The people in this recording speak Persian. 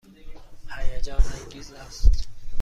هیجان انگیز است.